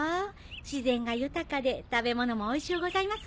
自然が豊かで食べ物もおいしゅうございます。